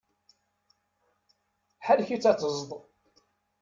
Ḥerrek-itt ad tezḍ!